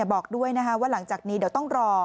บอกด้วยว่าหลังจากนี้เดี๋ยวต้องรอ